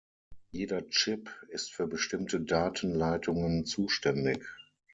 Jeder Chip ist für bestimmte Datenleitungen zuständig.